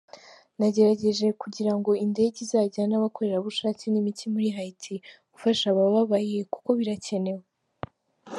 Nagerageje kugira ngo indege izajyane abakorerabushake nimiti muri Haiti gufasha abababaye kuko birakenewe.